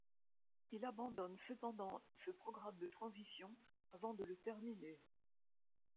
Il abandonne cependant ce programme de transition avant de le terminer.